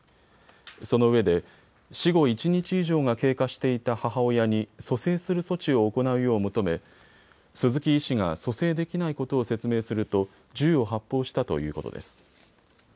そのうえで死後１日以上が経過していた母親に蘇生する措置を行うよう求め鈴木医師が蘇生できないことを説明すると銃を発砲したということです。